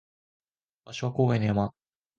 場所は郊外の山